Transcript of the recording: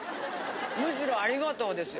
むしろありがとうですよ。